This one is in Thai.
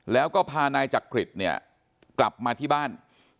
แล้วก็พานายจักริตเนี่ยกลับมาที่บ้าน